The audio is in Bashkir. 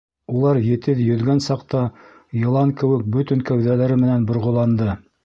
Улар етеҙ йөҙгән саҡта йылан кеүек бөтөн кәүҙәләре менән борғоланды.